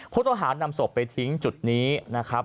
ผู้ต้องหานำศพไปทิ้งจุดนี้นะครับ